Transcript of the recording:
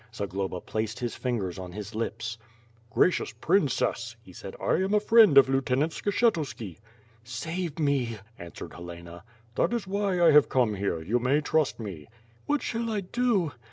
Zagloba placed his fingers on his lips. "Gracious princess," he said, "I am a friend of Lieutenant Skshetuski." "Save me!" answered Helena. "That is why I have come here. You may trust me." "What shall I do?"